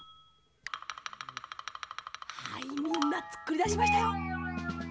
はいみんなつくりだしましたよ！